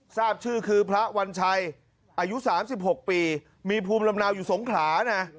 ทราบชื่อคือพระวัญชัยอายุ๓๖ปีมีภูมิลำเนาอยู่สงขลานะ